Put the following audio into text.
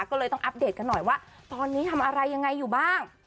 ก็เลยต้องอัปเดตกันหน่อยว่าตอนนี้ทำอะไรยังไงอยู่บ้าง